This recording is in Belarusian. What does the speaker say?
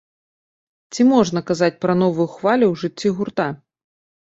Ці можна казаць пра новую хвалю ў жыцці гурта?